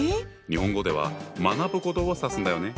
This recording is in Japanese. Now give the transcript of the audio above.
日本語では学ぶことをさすんだよね。